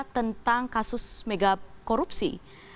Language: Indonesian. tentang kasus mega korupsi